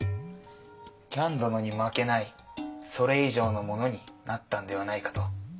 喜屋武殿に負けないそれ以上のものになったんではないかと。